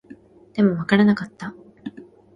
でも、わからなかった